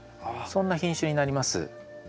そんな品種になります。